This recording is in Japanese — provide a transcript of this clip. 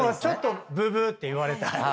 ちょっとブブーって言われたい。